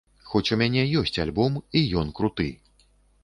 Хоць у мяне ёсць альбом, і ён круты.